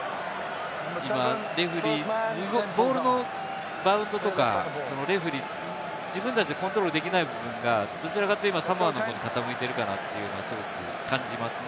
今、ボールのバウンドとかレフェリー、自分たちでコントロールできないのが、どちらかというと、今、サモアの方に傾いてるかなと思いますね。